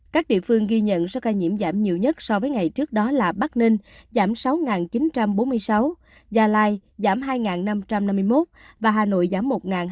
các địa phương ghi nhận số ca nhiễm giảm nhiều nhất so với ngày trước đó là bắc ninh giảm sáu chín trăm bốn mươi sáu gia lai giảm hai năm trăm năm mươi một và hà nội giảm một ba